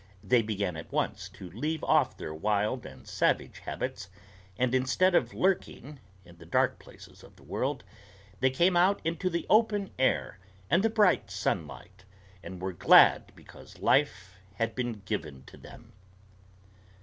They began at once to leave off their wild and savage habits; and instead of lurking in the dark places of the world, they came out into the open air and the bright sunlight, and were glad because life had been given to them.